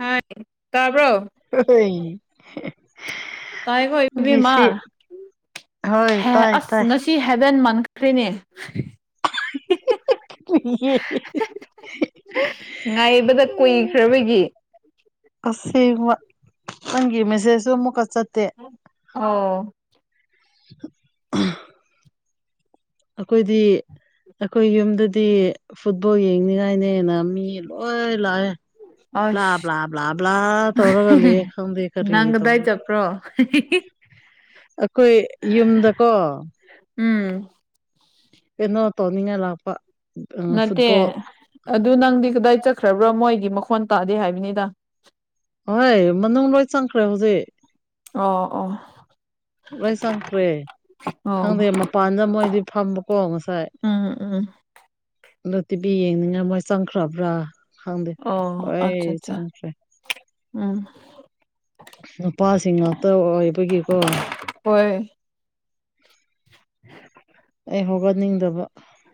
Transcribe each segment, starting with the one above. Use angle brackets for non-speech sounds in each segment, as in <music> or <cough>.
ꯍꯥꯏ ꯇꯕ꯭ꯔꯣ ꯑꯩ ꯇꯥꯏꯀꯣ ꯏꯕꯦꯝꯃ ꯍꯣꯏ ꯍꯦ ꯇꯥꯏ ꯑꯁ ꯇꯥꯏ ꯉꯁ ꯁꯤ ꯍꯥꯏꯕꯦꯟ ꯃꯟꯈ꯭ꯔꯦꯅꯦ <unintelligible> ꯉꯥꯏꯕꯗ ꯀꯨꯏꯈ꯭ꯔꯕꯒꯤ ꯑꯁꯦꯡꯕ ꯅꯪꯒꯤ ꯃꯦꯁꯦꯖꯇꯣ ꯑꯃꯨꯛꯀ ꯆꯠꯇꯦ ꯑꯣ ꯑꯈꯣꯏꯗꯤ ꯑꯩꯈꯣꯏ ꯌꯨꯝꯗꯗꯤ ꯐꯨꯠꯕꯣꯜ ꯌꯦꯡꯅꯤꯡꯉꯥꯏꯅꯦꯅ ꯃꯤ ꯂꯣꯏ ꯂꯥꯛꯑꯦ ꯕ꯭ꯂꯥ ꯑꯁ ꯕ꯭ꯂꯥ ꯕ꯭ꯂꯥ ꯕ꯭ꯂꯥ ꯇꯧꯔꯒ ꯂꯩꯑꯦ ꯈꯪꯗꯦ ꯈꯔꯤ ꯅꯪ ꯇꯧ ꯀꯗꯥꯏ <unintelligible> ꯑꯈꯣꯏ ꯌꯨꯝꯗꯀꯣ ꯎꯝ ꯀꯩꯅꯣ ꯇꯧꯅꯤꯡꯉꯥꯏ ꯂꯥꯛꯄ ꯅꯠꯇꯦ ꯐꯨꯠꯕꯣꯜ ꯑꯗꯣ ꯅꯪꯗꯤ ꯀꯗꯥꯏ ꯆꯠꯈ꯭ꯔꯕ꯭ꯔ ꯃꯣꯏꯒꯤ ꯃꯈꯣꯟ ꯇꯥꯗꯦ ꯍꯥꯏꯕꯅꯤꯗ ꯑꯍꯣꯏ ꯃꯅꯨꯡ ꯂꯣꯏ ꯆꯪꯈ꯭ꯔꯦ ꯍꯧꯖꯤꯛ ꯑꯣ ꯑꯣ ꯂꯣꯏ ꯆꯪꯈ꯭ꯔꯦ ꯑꯣ ꯈꯪꯗꯦ ꯃꯄꯥꯟꯗ ꯃꯣꯏꯗꯤ ꯐꯝꯕꯀꯣ ꯉꯁꯥꯏ ꯎꯝ ꯎꯝ ꯑꯗꯣ ꯇꯤꯚꯤ ꯌꯦꯡꯅꯤꯡꯉꯥꯏ ꯃꯣꯏ ꯆꯪꯈ꯭ꯔꯕ꯭ꯔꯥ ꯈꯪꯗꯦ ꯑꯣ ꯂꯣꯏ ꯑꯠꯆꯥ ꯑꯠꯆꯥ ꯆꯪꯈ꯭ꯔꯦ ꯎꯝ ꯅꯨꯄꯥꯁꯤꯡ ꯉꯥꯛꯇ ꯑꯣꯏꯕꯒꯤꯀꯣ ꯍꯣꯏ ꯑꯩ ꯍꯧꯒꯠꯅꯤꯡꯗꯕ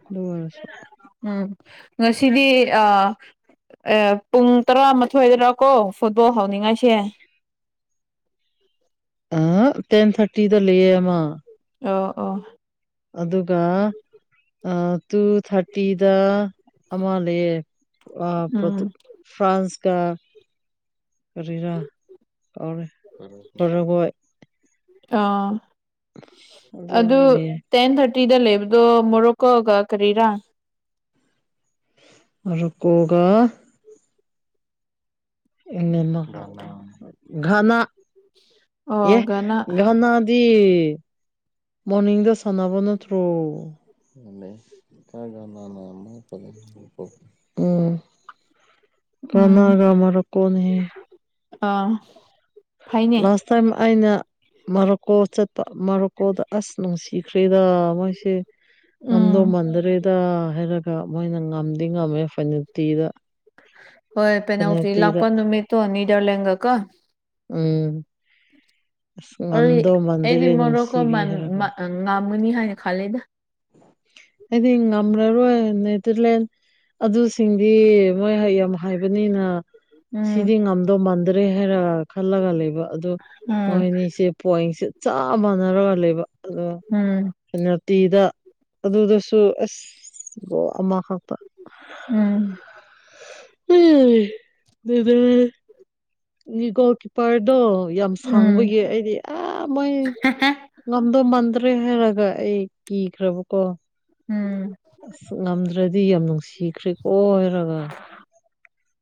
ꯑꯗꯨ ꯑꯣꯏꯔꯁꯨ ꯎꯝ ꯉꯁꯤꯗꯤ ꯑ ꯑꯦ ꯄꯨꯡ ꯇꯔꯥꯃꯥꯊꯣꯏꯗꯔ ꯀꯣ ꯐꯨꯠꯕꯣꯜ ꯍꯧꯅꯤꯡꯉꯥꯏꯁꯦ ꯑꯪ ꯇꯦꯟ ꯊꯥꯔꯇꯤꯗ ꯂꯩꯌꯦ ꯑꯃ ꯑꯣ ꯑꯣ ꯑꯗꯨꯒ ꯇꯨ ꯑ ꯊꯥꯔꯇꯤꯗ ꯑꯃ ꯂꯩꯌꯦ ꯑꯣ ꯄꯔꯣꯇꯨ ꯎꯝ ꯐ꯭ꯔꯥꯟꯁ ꯀ ꯀꯔꯤꯔꯥ ꯀꯥꯎꯔꯦ ꯄꯔꯥꯎꯒꯣꯏ ꯑ ꯑꯗꯨ ꯑꯅꯤ ꯂꯩꯌꯦ ꯇꯦꯟ ꯊꯥꯔꯇꯤꯗ ꯂꯩꯕꯗꯣ ꯃꯣꯔꯣꯀꯣꯒ ꯀꯔꯤꯔꯥ ꯃꯣꯔꯣꯛꯀꯣꯒ ꯏꯃꯦꯝꯃꯥ ꯘꯅꯥ ꯑꯦ ꯑꯣꯒꯅ ꯘꯅꯥ ꯗꯤ ꯃꯣꯔꯅꯤꯡꯗ ꯁꯥꯟꯅꯕ ꯅꯠꯇ꯭ꯔꯣ ꯎꯝ ꯎꯝ ꯘꯅꯥꯒ ꯃꯣꯔꯣꯛꯀꯣꯅꯦꯍꯦ ꯑꯥ ꯐꯩꯅꯦ ꯂꯥꯁ ꯇꯥꯏꯝ ꯑꯩꯅ ꯃꯥꯔꯣꯛꯀꯣ ꯆꯠꯄ ꯃꯣꯔꯣꯛꯀꯣꯗ ꯑꯁ ꯅꯨꯡꯁꯤꯈ꯭ꯔꯦꯗ ꯃꯣꯏꯁꯦ ꯉꯝꯗꯧ ꯎꯝ ꯃꯥꯟꯗ꯭ꯔꯦꯗ ꯍꯥꯏꯔꯒ ꯃꯣꯏꯅ ꯉꯝꯗꯤ ꯉꯝꯃꯦ ꯐꯦꯅꯥꯜꯇꯤꯗ ꯍꯣꯏ ꯄꯦꯅꯥꯜꯇꯤ ꯄꯦꯅꯥꯜꯇꯤꯗ ꯂꯥꯛꯄ ꯅꯨꯃꯤꯇꯣ ꯅꯤꯗꯔꯂꯦꯟꯒ ꯀꯣ ꯎꯝ ꯑꯩ ꯉꯝꯗꯧ ꯃꯥꯟꯗꯔꯦ ꯅꯨꯡꯁꯤꯕꯤ ꯍꯥꯏꯔꯒ ꯑꯪ ꯉꯝꯒꯅꯤ ꯍꯥꯏꯅ ꯈꯜꯂꯤꯗ ꯑꯩꯗꯤ ꯉꯝꯔꯔꯣꯏ ꯅꯤꯗꯔꯂꯦꯟ ꯑꯗꯨꯁꯤꯡꯗꯤ ꯃꯣꯏ ꯌꯥꯝ ꯍꯥꯏꯕꯅꯤꯅ ꯎꯝ ꯁꯤꯗꯤ ꯉꯝꯗꯧ ꯃꯥꯟꯗꯔꯦ ꯍꯥꯏꯔ ꯈꯜꯂꯒ ꯂꯩꯕ ꯑꯗꯨ ꯎꯝ ꯃꯣꯏꯅꯤꯁꯦ ꯄꯣꯏꯟꯁꯦ ꯆꯞ ꯃꯥꯟꯅꯔꯒ ꯂꯩꯕ ꯑꯗꯨꯒ ꯎꯝ ꯄꯦꯅꯥꯜꯇꯤꯗ ꯑꯗꯨꯗꯁꯨ ꯑꯁ ꯒꯣꯜ ꯑꯃꯈꯛꯇ ꯎꯝ ꯂꯣꯏ ꯕꯦꯔꯥꯅꯤ <unintelligible> ꯒꯣꯜ ꯀꯤꯞꯄꯔꯗꯣ ꯌꯥꯝ ꯎꯝ ꯁꯥꯡꯕꯒꯤ ꯑꯩꯗꯤ ꯑꯥ ꯃꯨꯏ ꯉꯝꯗꯧ ꯃꯟꯗ꯭ꯔꯦ ꯍꯥꯏꯔꯒ ꯑꯩ ꯀꯤꯈ꯭ꯔꯕꯀꯣ ꯎꯝ ꯑꯁ ꯉꯝꯗ꯭ꯔꯗꯤ ꯌꯥꯝ ꯅꯨꯡꯁꯤꯈ꯭ꯔꯦꯀꯣ ꯍꯥꯏꯔꯒ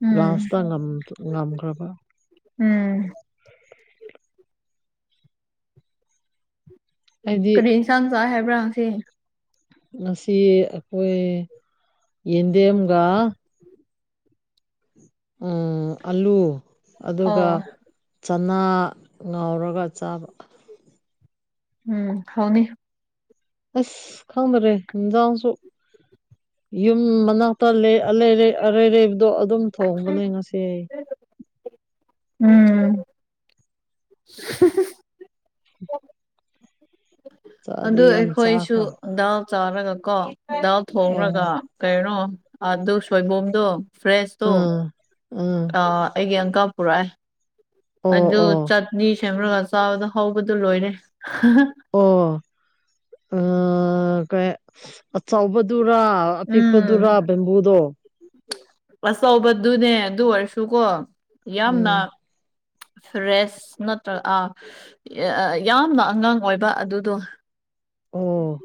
ꯎꯝ ꯂꯥꯁꯇ ꯉꯝ ꯉꯝꯈ꯭ꯔꯕ ꯎꯝ ꯑꯩꯗꯤ ꯀꯔꯤ ꯏꯟꯁꯥꯡ ꯆꯥꯏ ꯍꯥꯏꯕ꯭ꯔꯥ ꯉꯁꯤ ꯉꯁꯤ ꯑꯩꯈꯣꯏ ꯌꯦꯟꯗꯦꯝꯒ ꯑꯥ ꯑꯂꯨ ꯑꯗꯨꯒ ꯑꯣ ꯆꯅꯥ ꯉꯥꯎꯔꯒ ꯆꯥꯕ ꯎꯝ ꯍꯥꯎꯅꯤ ꯑꯁ ꯈꯪꯗꯔꯦ ꯏꯟꯖꯥꯡꯁꯨ ꯌꯨꯝ ꯃꯅꯥꯛꯇ ꯂꯩ ꯑꯂꯩ ꯑꯔꯩꯔꯩꯕꯗꯣ ꯑꯗꯨꯝ ꯊꯣꯡꯕꯅꯦ ꯉꯁꯤ ꯑꯩ ꯎꯝ <unintelligible> ꯆꯥꯗꯤ ꯑꯗꯨ ꯌꯥꯝ ꯑꯩꯈꯣꯏꯁꯨ ꯆꯥꯈ꯭ꯔꯕ ꯗꯥꯎ ꯆꯥꯔꯒ ꯀꯣ ꯗꯥꯎ ꯊꯣꯡꯔꯒ ꯑꯣ ꯀꯩꯅꯣ ꯑꯗꯨ ꯁꯣꯏꯕꯨꯝꯗꯣ ꯐ꯭ꯔꯦꯁꯇꯣ ꯎꯝ ꯎꯝ ꯑꯥ ꯑꯩꯒꯤ ꯑꯪꯀꯥ ꯄꯨꯔꯛꯑꯦ ꯑꯣ ꯑꯗꯨ ꯑꯣ ꯆꯠ ꯅꯤ ꯁꯤꯡꯔꯒ ꯆꯥꯕꯗ ꯍꯧꯕꯗꯨ ꯂꯣꯏꯔꯦ ꯑꯣ ꯑꯥ ꯀꯩ ꯑꯆꯧꯕꯗꯨꯔꯥ ꯑꯄꯤꯛꯄꯗꯨꯔ ꯎꯝ ꯕꯦꯝꯕꯨꯗꯣ ꯑꯆꯧꯕꯗꯨꯅꯦ ꯑꯗꯨ ꯑꯣꯏꯔꯁꯨꯀꯣ ꯌꯥꯝꯅ ꯎꯝ ꯐ꯭ꯔꯦꯁ ꯅꯠꯇ꯭ꯔ ꯑꯥ ꯑꯥ ꯑꯥ ꯌꯥꯝꯅ ꯑꯉꯥꯡ ꯑꯣꯏꯕ ꯑꯗꯨꯗꯣ ꯑꯣ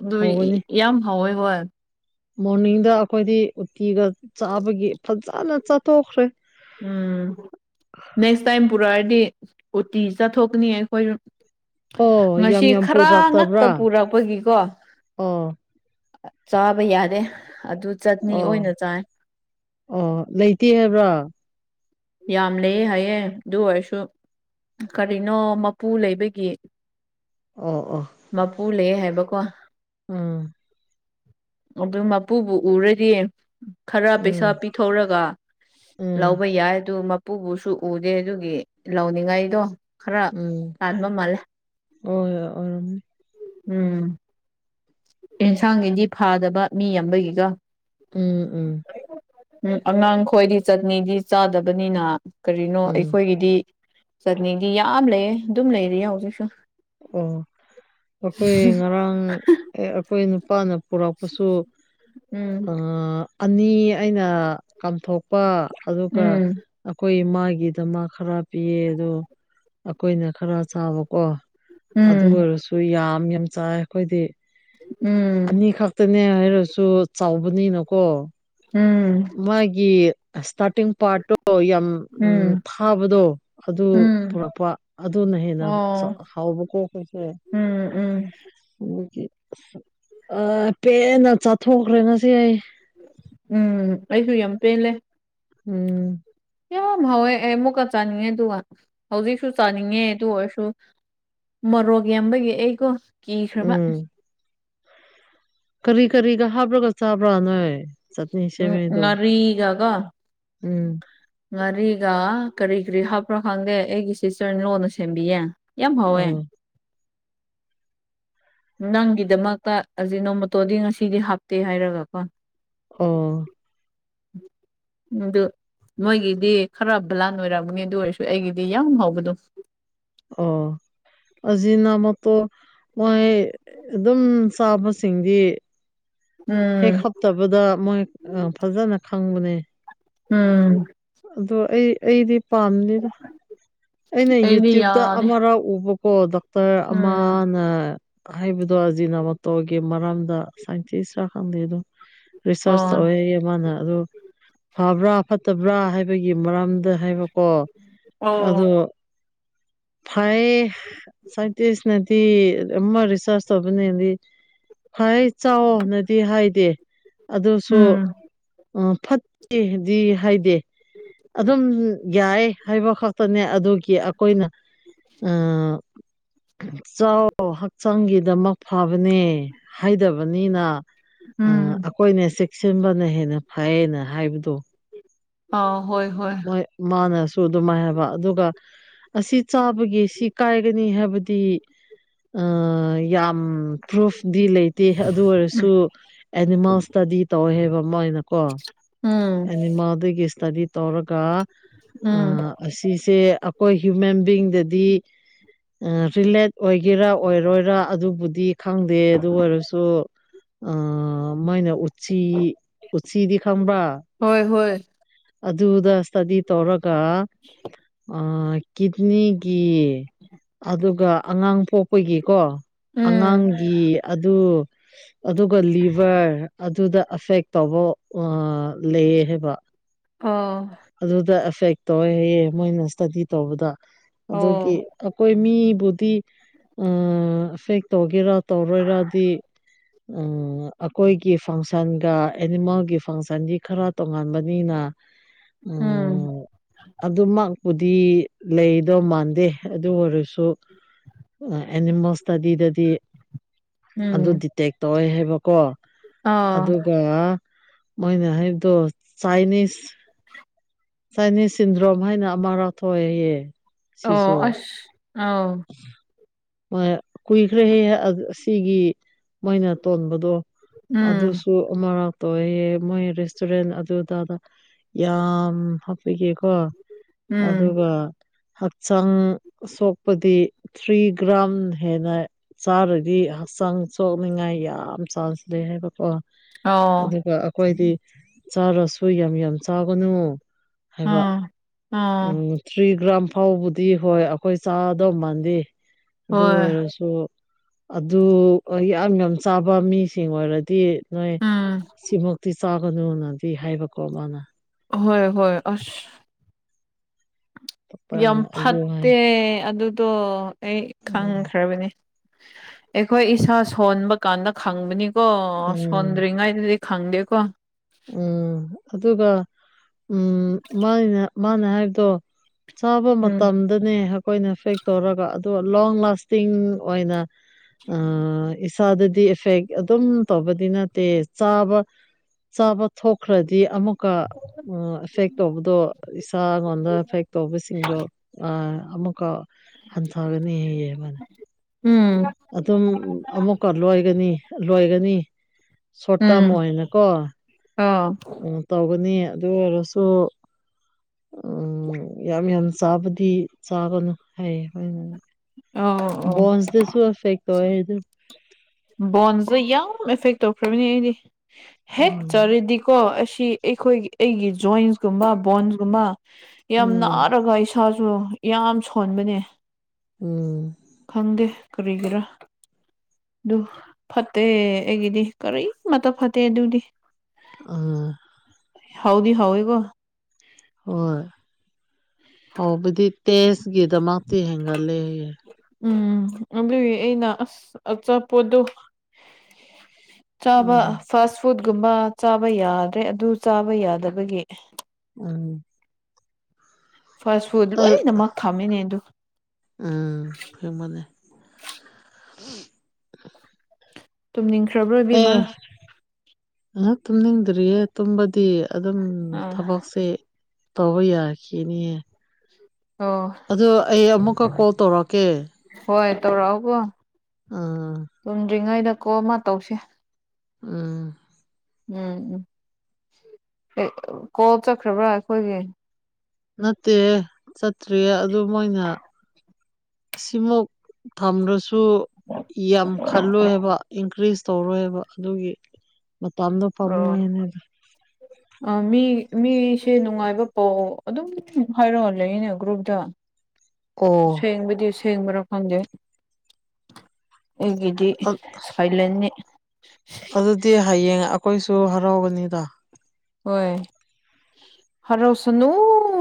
ꯑꯗꯨꯏ ꯍꯧꯒꯅꯤ ꯌꯥꯝ ꯍꯥꯎꯋꯦꯕ ꯃꯣꯔꯅꯤꯡꯗ ꯑꯩꯈꯣꯏꯗꯤ ꯎꯇꯤꯒ ꯆꯥꯕꯒꯤ ꯐꯖꯅ ꯆꯥꯊꯣꯛꯈ꯭ꯔꯦ ꯎꯝ ꯅꯦꯛꯁ ꯇꯥꯏꯝ ꯄꯨꯔꯛꯑꯔꯗꯤ ꯎꯇꯤ ꯆꯠꯊꯣꯛꯀꯅꯤ ꯑꯩꯈꯣꯏꯖꯨ ꯑꯣ ꯌꯥꯝ ꯉꯁꯤ ꯌꯥꯝ ꯈꯔ ꯉꯛꯇ ꯄꯨꯔꯛꯇꯕ꯭ꯔꯥ ꯄꯨꯔꯛꯄꯒꯤꯀꯣ ꯑꯣ ꯆꯥꯕ ꯌꯥꯗꯦ ꯑꯗꯨ ꯆꯠꯅꯤ ꯑꯣ ꯑꯣꯏꯅ ꯆꯥꯏ ꯑꯣ ꯂꯩꯇꯦ ꯍꯥꯏꯕ꯭ꯔꯣ ꯌꯥꯝ ꯂꯩꯌꯦ ꯍꯥꯏꯌꯦ ꯑꯗꯨ ꯑꯣꯏꯔꯁꯨ ꯀꯔꯤꯅꯣ ꯃꯄꯨ ꯂꯩꯕꯒꯤ ꯑꯣ ꯑꯣ ꯃꯄꯨ ꯂꯩꯌꯦ ꯍꯥꯏꯕꯀꯣ ꯎꯝ ꯑꯗꯨ ꯃꯄꯨꯕꯨ ꯎꯔꯗꯤ ꯈꯔ ꯄꯩꯁꯥ ꯎꯝ ꯄꯤ ꯊꯧꯔꯒ ꯎꯝ ꯂꯧꯕ ꯌꯥꯏ ꯗꯨ ꯃꯄꯨꯕꯨꯁꯨ ꯎꯗꯦ ꯑꯗꯨꯒꯤ ꯂꯧꯅꯤꯡꯉꯥꯏꯗꯣ ꯈꯔ ꯇꯥꯟꯕ ꯃꯥꯜꯂꯦ ꯑꯣꯏ‌ ꯑꯣꯏꯔꯝꯅꯤ ꯎꯝ ꯑꯦꯟꯁꯥꯡꯒꯤꯗꯤ ꯐꯥꯗꯕ ꯃꯤ ꯌꯝꯕꯒꯤꯀꯣ ꯎꯝ ꯎꯝ ꯎꯝ ꯑꯉꯥꯡ ꯈꯣꯏꯗꯤ ꯆꯠꯅꯤꯗꯤ ꯆꯥꯗꯕꯅꯤꯅ ꯀꯔꯤꯅꯣ ꯎꯝ ꯑꯩꯈꯣꯏꯒꯤꯗꯤ ꯆꯠꯅꯤꯗꯤ ꯌꯥꯝ ꯂꯩꯌꯦ ꯑꯗꯨꯝ ꯂꯩꯔꯤꯌꯦ ꯍꯧꯖꯤꯛꯁꯨ ꯑꯣ ꯑꯈꯣꯏ ꯉꯔꯥꯡ ꯑꯦ ꯑꯈꯣꯏ ꯅꯨꯄꯥꯅ ꯄꯨꯔꯛꯄꯁꯨ ꯎꯝ ꯑ ꯑꯅꯤ ꯑꯩꯅ ꯀꯥꯝꯊꯣꯛꯄ ꯑꯗꯨꯒ ꯎꯝ ꯑꯈꯣꯏ ꯏꯃꯥꯒꯤꯗꯃꯛ ꯈꯔ ꯄꯤꯌꯦ ꯑꯗꯣ ꯑꯈꯣꯏꯅ ꯈꯔ ꯆꯥꯕꯀꯣ ꯑꯗꯨ ꯎꯝ ꯑꯣꯏꯔꯁꯨ ꯌꯥꯝ ꯌꯥꯝ ꯆꯥꯏ ꯑꯈꯣꯏꯗꯤ ꯎꯝ ꯑꯅꯤꯈꯛ ꯇꯅꯦ ꯍꯥꯏꯔꯁꯨ ꯆꯥꯎꯕꯅꯤꯅꯀꯣ ꯎꯝ ꯃꯥꯒꯤ ꯁ꯭ꯇꯥꯔꯇꯤꯡ ꯄꯥꯔꯠꯇꯣ ꯌꯥꯝ ꯎꯝ ꯊꯥꯕꯗꯣ ꯑꯗꯨ ꯎꯝ ꯄꯨꯔꯛꯄ ꯑꯗꯨꯅ ꯍꯦꯟꯅ ꯆ ꯑꯣ ꯍꯥꯎꯕꯀꯣ ꯑꯈꯣꯏꯁꯦ ꯎꯝ ꯎꯝ <unintelligible> ꯑ ꯄꯦꯟꯅ ꯆꯥꯊꯣꯛꯈ꯭ꯔꯦ ꯉꯁꯤ ꯑꯩ ꯎꯝ ꯑꯩꯁꯨ ꯌꯥꯝ ꯄꯦꯜꯂꯦ ꯎꯝ ꯌꯥꯝ ꯍꯥꯎꯋꯦ ꯑꯩ ꯑꯃꯨꯛꯀ ꯆꯥꯅꯤꯡꯉꯦ ꯑꯗꯨꯒ ꯍꯧꯖꯤꯛꯁꯨ ꯆꯥꯅꯤꯡꯉꯦ ꯑꯗꯨ ꯑꯣꯏꯔꯁꯨ ꯃꯣꯔꯣꯛ ꯌꯥꯝꯕꯒꯤ ꯑꯩꯀꯣ ꯀꯤꯈ꯭ꯔꯕ ꯎꯝ ꯀꯔꯤ ꯀꯔꯤꯒ ꯍꯥꯞꯔꯒ ꯆꯥꯕ꯭ꯔꯥ ꯅꯣꯏ ꯆꯠꯅꯤ ꯁꯦꯝꯃꯤꯗꯣ ꯔꯤꯒꯀꯣ ꯎꯝ ꯉꯥꯔꯤꯒ ꯀꯔꯤ ꯀꯔꯤ ꯍꯥꯞꯄ꯭ꯔꯣ ꯈꯪꯗꯦ ꯑꯩꯒꯤ ꯁꯤꯁꯇꯔꯅ ꯂꯣꯟꯅ ꯁꯦꯝꯕꯤꯌꯦ ꯌꯥꯝ ꯍꯥꯎꯋꯦ ꯑꯣ ꯅꯪꯒꯤꯗꯃꯛꯇ ꯑꯁꯤꯖꯤꯅꯣꯃꯣꯇꯣꯗꯤ ꯉꯁꯤꯗꯤ ꯍꯥꯞꯇꯦ ꯍꯥꯏꯔꯒꯀꯣ ꯍꯣ <inaudible> ꯑꯗꯨ ꯃꯣꯏꯒꯤꯗꯤ ꯈꯔ ꯕ꯭ꯂꯥꯟ ꯑꯣꯏꯔꯝꯒꯅꯤ ꯑꯗꯨ ꯑꯣꯏꯔꯁꯨ ꯑꯩꯒꯤꯗꯤ ꯌꯥꯝ ꯍꯥꯎꯕꯗꯨ ꯑꯣ ꯑꯖꯤꯅꯥꯃꯣꯇꯣ ꯃꯣꯏ ꯑꯗꯨꯝ ꯆꯥꯕꯁꯤꯡꯗꯤ ꯎꯝ ꯍꯦꯛ ꯍꯞꯇꯕꯗ ꯃꯣꯏ ꯑ ꯐꯖꯅ ꯈꯪꯕꯅꯦ ꯎꯝ ꯑꯗꯣ ꯑꯩ ꯑꯩꯗꯤ ꯄꯥꯝꯅꯤꯗ ꯑꯩꯅ ꯑꯩꯗꯤ ꯌꯨꯇ꯭ꯌꯨꯕꯇ ꯌꯥꯗꯦ ꯑꯃꯔꯛ ꯎꯕꯀꯣ ꯗꯣꯛꯇꯔ ꯎꯝ ꯑꯃꯥꯅ ꯍꯥꯏꯕꯗꯣ ꯑꯖꯤꯅꯣꯃꯣꯇꯣꯒꯤ ꯃꯔꯝꯗ ꯁꯥꯏꯟꯇꯤꯁꯁꯨ ꯈꯪꯗꯦꯗꯣ ꯔꯤꯁꯔꯁ ꯑꯣ ꯇꯧꯔ ꯌꯦꯡꯉꯣꯅ ꯑꯗꯨ ꯐꯕ꯭ꯔꯥ ꯐꯠꯇꯕ꯭ꯔꯥ ꯍꯥꯏꯕꯒꯤ ꯃꯔꯝꯗ ꯍꯥꯏꯕꯀꯣ ꯑꯣ ꯑꯗꯣ ꯐꯥꯏꯌꯦ ꯁꯥꯏꯟꯇꯤꯁꯅꯗꯤ ꯑꯃ ꯔꯤꯁꯔꯁ ꯇꯧꯕꯅꯦꯗꯤ ꯈ꯭ꯋꯥꯏ ꯆꯥꯎꯅꯗꯤ ꯍꯥꯏꯗꯦ ꯑꯗꯨꯁꯨ ꯎꯝ ꯎꯝ ꯐꯠꯇꯦꯗꯤ ꯍꯥꯏꯗꯦ ꯑꯗꯨꯝ ꯌꯥꯏ ꯍꯥꯏꯕ ꯈꯛ ꯇꯅꯦ ꯑꯗꯨꯒꯤ ꯑꯈꯣꯏꯅ ꯑ ꯆꯥꯎ ꯍꯛꯆꯥꯡꯒꯤꯗꯃꯛ ꯐꯕꯅꯦ ꯍꯥꯏꯗꯕꯅꯤꯅ ꯑ ꯎꯝ ꯑꯈꯣꯏꯅ ꯆꯦꯛꯁꯤꯟꯕꯅ ꯍꯦꯟꯅ ꯐꯩꯌꯦꯅ ꯍꯥꯏꯕꯗꯣ ꯑꯥ ꯍꯣꯏ ꯍꯣꯏ ꯍꯣꯏ ꯃꯥꯅꯁꯨ ꯑꯗꯨꯃꯥꯏ ꯍꯥꯢꯕ ꯑꯗꯨꯒ ꯑꯁꯤ ꯆꯥꯕꯒꯤ ꯁꯤ ꯀꯥꯏꯒꯅꯤ ꯍꯥꯏꯕꯗꯤ ꯑ ꯌꯥꯝ ꯄ꯭ꯔꯨꯐꯗꯤ ꯂꯩꯇꯦ ꯑꯗꯨ ꯑꯣꯏꯔꯁꯨ ꯑꯦꯅꯤꯃꯜꯁꯇꯗꯤ ꯇꯧꯋꯦ ꯍꯥꯏꯕ ꯃꯣꯢꯅ ꯀꯣ ꯎꯝ ꯑꯦꯅꯤꯃꯜꯒꯤ ꯁ꯭ꯇꯗꯤ ꯇꯧꯔꯒ ꯎꯝ ꯑꯁꯤꯁꯦ ꯑꯩꯈꯣꯏ ꯍ꯭ꯌꯨꯃꯦꯟ ꯕꯤꯡꯗꯗꯤ ꯑꯥ ꯔꯤꯂꯦꯠ ꯑꯣꯏꯒꯦꯔꯥ ꯑꯣꯏꯔꯣꯏꯔ ꯑꯗꯨꯕꯨꯗꯤ ꯈꯪꯗꯦ ꯑꯗꯨ ꯑꯣꯏꯔꯁꯨ ꯑ ꯃꯥꯏꯅ ꯎꯆꯁꯤ ꯎꯆꯤꯗꯤ ꯈꯪꯕ꯭ꯔꯥ ꯍꯣꯏ ꯍꯣꯏ ꯑꯗꯨꯗ ꯏꯁꯇꯗꯤ ꯇꯧꯔꯒ ꯑꯥ ꯀꯤꯠꯅꯤ ꯀꯤ ꯑꯗꯨꯒ ꯑꯉꯥꯡ ꯄꯣꯛꯄꯒꯤꯀꯣ ꯎꯝ ꯑꯉꯥꯡꯒꯤ ꯑꯗꯨ ꯑꯗꯨꯒ ꯂꯤꯚꯔ ꯑꯗꯨꯗ ꯑꯦꯐꯦꯛ ꯇꯧꯕ ꯑꯥ ꯂꯩꯌꯦ ꯍꯥꯏꯕ ꯑꯣ ꯑꯗꯨꯗ ꯑꯦꯐꯦꯛ ꯇꯧꯋꯦ ꯍꯥꯏꯌꯦ ꯃꯣꯏꯅ ꯏꯁꯇꯗꯤ ꯇꯧꯕꯗ ꯑꯗꯨꯒꯤ ꯑꯣ ꯑꯩꯈꯣꯏ ꯃꯤꯕꯨꯗꯤ ꯎꯝ ꯑꯦꯐꯦꯛ ꯇꯧꯒꯦꯔꯥ ꯇꯧꯔꯣꯏꯔꯗꯤ ꯎꯝ ꯑꯩꯈꯣꯏꯒꯤ ꯐꯪꯁꯟꯒ ꯑꯦꯅꯤꯃꯦꯜꯒꯤ ꯐꯪꯁꯟꯗꯤ ꯈꯔ ꯇꯣꯡꯉꯥꯟꯕꯅꯤꯅ ꯎꯝ ꯑꯗꯨꯃꯛꯄꯨꯗꯤ ꯂꯩꯗꯧ ꯃꯥꯟꯗꯦ ꯑꯗꯨ ꯑꯣꯏꯔꯁꯨ ꯑ ꯑꯦꯅꯤꯃꯦꯜ ꯏꯁꯇꯥꯗꯤꯗꯗꯤ ꯑꯗꯨ ꯎꯝ ꯗꯤꯇꯦꯛ ꯇꯧꯋꯦ ꯍꯥꯏꯕꯀꯣ ꯑ ꯑꯗꯨꯒ ꯃꯣꯏꯅ ꯍꯥꯏꯗꯣ ꯆꯥꯏꯅꯤꯁ ꯆꯥꯏꯅꯤꯁ ꯁꯤꯟꯗ꯭ꯔꯣꯝ ꯍꯥꯏꯅ ꯑꯃꯔꯥꯛ ꯊꯣꯛꯑꯦꯌꯦ ꯑꯣ ꯑꯁ ꯑꯧ ꯍꯣꯏꯑ ꯀꯨꯏꯈ꯭ꯔꯦꯍꯦ ꯑꯗꯨ ꯑꯁꯤꯒꯤꯒꯤ ꯃꯣꯏꯅ ꯇꯣꯟꯕꯗꯣ ꯎꯝ ꯑꯗꯨꯁꯨ ꯑꯃꯥꯔꯛ ꯇꯣꯏꯑꯦꯍꯦ ꯃꯣꯏ ꯔꯦꯁꯇꯨꯔꯦꯟ ꯑꯗꯨꯗꯥꯗ ꯌꯥꯝ ꯍꯛ ꯄꯤꯒꯦꯀꯣ ꯎꯝ ꯑꯗꯨꯒ ꯍꯛꯆꯥꯡ ꯁꯣꯛ ꯄꯗꯤ ꯊ꯭ꯔꯤ ꯒ꯭ꯔꯥꯝ ꯍꯦꯟꯅ ꯆꯥꯔꯗꯤ ꯍꯛꯆꯥꯡ ꯁꯣꯛꯅꯤꯡꯉꯥꯏ ꯌꯥꯝ ꯆꯥꯟꯁ ꯂꯩ ꯍꯥꯏꯕꯀꯣ ꯑꯣ ꯑꯗꯨꯒ ꯑꯩꯈꯣꯏꯗꯤ ꯆꯥꯔꯁꯨ ꯌꯥꯝ ꯌꯥꯝ ꯆꯥꯒꯅꯨ ꯍꯥꯏꯕ ꯎꯝ ꯑ ꯎꯝ ꯊ꯭ꯔꯤ ꯒ꯭ꯔꯥꯝ ꯐꯥꯎꯕꯗꯤ ꯍꯣꯏ ꯑꯩꯈꯣꯏ ꯆꯥꯗꯧ ꯃꯥꯟꯗꯦ ꯑꯗꯨ ꯍꯣꯏ ꯑꯣꯏꯔꯁꯨ ꯑꯗꯨ ꯑꯥ ꯌꯥꯝ ꯌꯥꯝ ꯆꯥꯕ ꯃꯤꯁꯤꯡ ꯑꯣꯏꯔꯗꯤ ꯅꯣꯏ ꯎꯝ ꯁꯤꯃꯛꯇꯤ ꯆꯥꯒꯅꯨꯅꯗꯤ ꯍꯥꯏꯕꯀꯣ ꯃꯥꯅ ꯑꯍꯣꯏ ꯍꯣꯏ ꯑꯁ ꯌꯥꯝ ꯄꯥꯔꯅ ꯑꯗꯨ ꯍꯥꯏ ꯐꯠꯇꯦ ꯑꯗꯨꯗꯣ ꯑꯩ ꯎꯝ ꯈꯪꯈ꯭ꯔꯕꯅꯦ ꯑꯩꯈꯣꯏ ꯏꯁꯥ ꯁꯣꯟꯕ ꯀꯥꯟꯗ ꯈꯪꯕꯅꯤꯀꯣ ꯁꯣꯟ ꯎꯝ ꯔꯤꯉꯥꯏꯗꯗꯤ ꯈꯪꯗꯦꯀꯣ ꯎꯝ ꯑꯗꯨꯒ ꯎꯝ ꯃꯥꯏꯅ ꯃꯥꯅ ꯍꯥꯏꯕꯗꯣ ꯆꯥꯕ ꯎꯝ ꯃꯇꯝꯗꯅꯦ ꯑꯩꯈꯣꯏꯅ ꯐꯦꯛ ꯇꯧꯔꯒ ꯑꯗꯣ ꯂꯣꯡ ꯂꯥꯁꯇꯤꯡ ꯑꯣꯏꯅ ꯑꯥ ꯏꯁꯥꯗꯗꯤ ꯑꯦꯐꯦꯛ ꯑꯗꯨꯝ ꯇꯧꯕꯗꯤ ꯅꯠꯇꯦ ꯆꯥꯕ ꯆꯥꯕ ꯊꯣꯛꯈ꯭ꯔꯗꯤ ꯑꯃꯨꯛ ꯀꯥ ꯎ ꯑꯦꯐꯦꯛ ꯇꯧꯕꯗꯣ ꯏꯁꯥ ꯑꯩꯉꯣꯟꯗ ꯑꯦꯐꯦꯛ ꯇꯧꯕꯁꯤꯡꯗꯣ ꯑ ꯑꯃꯨꯛꯀ ꯍꯟꯊꯒꯅꯤ ꯍꯌꯦ ꯌꯦꯡꯉꫭ ꯎꯝ ꯑꯗꯨꯝ ꯑꯃꯨꯛꯀ ꯂꯣꯏꯒꯅꯤ ꯂꯣꯏꯒꯅꯤ ꯁꯣꯔꯠ ꯇꯥꯔꯝ ꯎꯝ ꯑꯣꯏꯅꯀꯣ ꯑꯥ ꯎꯝ ꯇꯧꯒꯅꯤ ꯑꯗꯨ ꯑꯣꯏꯔꯁꯨ ꯎꯝ ꯌꯥꯝ ꯌꯥꯝ ꯆꯥꯕꯗꯤ ꯆꯥꯒꯅꯨ ꯍꯥꯏꯌꯦ ꯃꯣꯏꯅ ꯑꯧ ꯑꯧ ꯕꯣꯟꯁꯇꯥꯁꯨ ꯑꯥꯐꯦꯛ ꯇꯧ ꯑꯦ ꯍꯥꯏꯗꯨ ꯕꯣꯟꯁꯦ ꯌꯥꯝ ꯑꯦꯐꯦꯛ ꯇꯧꯈ꯭ꯔꯕꯅꯤ ꯑꯩꯗꯤ ꯍꯦꯛ ꯎꯝ ꯆꯥꯔꯤꯗꯤꯀꯣ ꯑꯁꯤ ꯑꯩꯈꯣꯏꯒꯤ ꯑꯩꯒꯤ ꯖꯣꯏꯟꯁꯀꯨꯝꯕ ꯕꯣꯟꯁ ꯀꯨꯝꯕ ꯌꯥꯝ ꯎꯝ ꯅꯥꯔꯒ ꯏꯁꯥ ꯑꯗꯣ ꯌꯥꯝ ꯁꯣꯟꯕꯅꯦ ꯎꯝ ꯈꯪꯗꯦ ꯀꯔꯤꯒꯤꯔꯥ ꯑꯗꯨ ꯐꯠꯇꯦ ꯑꯩꯒꯤꯗꯤ ꯀꯔꯤꯃꯠꯇ ꯐꯠꯇꯦ ꯑꯗꯨꯗꯤ ꯑ ꯍꯥꯎꯗꯤ ꯍꯧꯏꯀꯣ ꯍꯣꯏ ꯍꯧꯕꯗꯤ ꯇꯦꯖꯀꯤꯗꯃꯛꯇꯤ ꯍꯦꯟꯒꯠꯂꯦꯌꯦ ꯎꯝ ꯑꯗꯨꯒꯤ ꯑꯩꯅ ꯑꯁ ꯑꯆꯥꯄꯣꯠꯇꯨ ꯆꯥꯕ ꯎꯝ ꯐꯥꯁ ꯐꯨꯗꯀꯨꯝꯕ ꯆꯥꯕ ꯌꯥꯗ꯭ꯔꯦ ꯑꯗꯨ ꯆꯥꯕ ꯌꯥꯗꯕꯒꯤ ꯎꯝ ꯐꯥꯁ ꯐꯨꯗ ꯑ ꯂꯣꯏꯅꯃꯛ ꯊꯝꯃꯤꯅꯦ ꯑꯗꯨ ꯎꯝ ꯑꯁꯦꯡꯕꯅꯦ ꯇꯨꯝꯅꯤꯡꯈ꯭ꯔꯕ꯭ꯔ ꯏꯕꯦꯝꯃ ꯎꯝ ꯇꯨꯝꯅꯤꯡꯗ꯭ꯔꯤꯌꯦ ꯇꯨꯝꯕꯗꯤ ꯑꯗꯨꯝ ꯑꯥ ꯊꯕꯛꯁꯦ ꯇꯧꯕ ꯌꯥꯈꯤꯅꯤꯌꯦ ꯑꯣ ꯑꯗꯣ ꯑꯩ ꯑꯃꯨꯛꯀ ꯀꯣꯜ ꯇꯧꯔꯛꯀꯦ ꯍꯣꯏ ꯇꯧꯔꯛꯑꯣꯀꯣ ꯎꯝ ꯇꯨꯝꯗ꯭ꯔꯤꯉꯩꯗ ꯀꯣꯜ ꯑꯃ ꯇꯧꯁꯦ ꯎꯝ ꯎꯝ ꯎꯝ ꯑꯦ ꯀꯣꯜ ꯆꯠꯈ꯭ꯔꯕ꯭ꯔꯥ ꯑꯩꯈꯣꯏꯒꯤ ꯅꯠꯇꯦꯍꯦ ꯆꯠꯇ꯭ꯔꯤꯌꯦ ꯑꯗꯨ ꯃꯣꯏꯅ ꯁꯤꯃꯨꯛ ꯊꯝꯔꯣꯁ ꯁꯨ ꯌꯥꯝ ꯈꯜꯂꯣꯏ ꯍꯥꯏꯕ ꯏꯟꯀ꯭ꯔꯤꯖ ꯇꯧꯔꯣꯏ ꯍꯥꯏꯕ ꯑꯗꯨꯒꯤ ꯃꯇꯝ ꯗꯣ ꯄꯝꯃꯨꯌꯦꯅ ꯑ ꯃꯤ ꯃꯤꯁꯦ ꯅꯨꯡꯉꯥꯏꯕ ꯄꯥꯎ ꯑꯗꯨꯝ ꯍꯥꯏꯔꯛꯑ ꯂꯩꯅꯦ ꯒ꯭ꯔꯨꯞꯇ <inaudible> ꯁꯦꯡꯕꯗꯤ ꯁꯦꯡꯕ꯭ꯔꯥ ꯈꯪꯗꯦ ꯑꯩꯒꯤꯗꯤ ꯁꯥꯏꯂꯦꯟꯅꯤ ꯑꯗꯨꯗꯤ ꯍꯌꯦꯡ ꯑꯩꯈꯣꯏꯁꯨ ꯍꯔꯥꯎꯒꯅꯤꯗ ꯍꯣꯏ ꯍꯔꯥꯎꯁꯅꯨ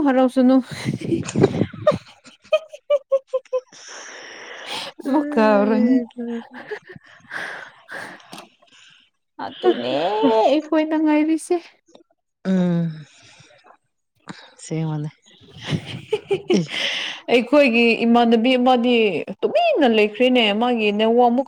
ꯍꯔꯥꯎꯁꯅꯨ <inaudible> ꯑꯃꯨꯛ ꯀꯥꯎꯔꯅꯤ ꯎꯝ ꯑꯗꯨꯅꯦ ꯑꯩꯈꯣꯏꯅ ꯉꯥꯏꯔꯤꯁꯦ ꯎꯝ ꯁꯦꯡꯕꯅꯦ <unintelligible> ꯑꯩꯈꯣꯏꯒꯤ ꯏꯃꯥꯟꯅꯕꯤ ꯑꯃꯗꯤ ꯇꯨꯃꯤꯟꯅ ꯂꯩꯈ꯭ꯔꯦꯅꯦ ꯃꯥꯒꯤ ꯅꯦꯠꯋꯥꯛꯃꯨꯛ